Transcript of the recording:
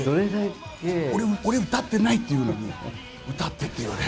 俺、歌ってないって言うのに、歌ってって言われる。